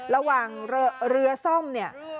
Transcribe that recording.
ระหว่างเรือซ่อมเนี่ย